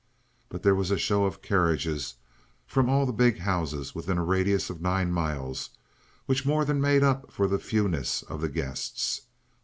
But there was a show of carriages from all the big houses within a radius of nine miles, which more than made up for the fewness of the guests.